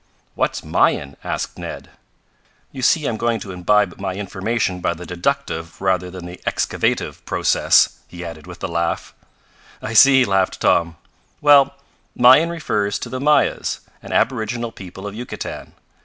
"What's Mayan?" asked Ned. "You see I'm going to imbibe my information by the deductive rather than the excavative process," he added with a laugh. "I see," laughed Tom. "Well, Mayan refers to the Mayas, an aboriginal people of Yucatan.